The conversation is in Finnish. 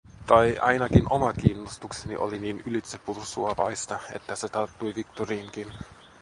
Tai, ainakin oma kiinnostukseni oli niin ylitsepursuavaista, että se tarttui Victoriinkin.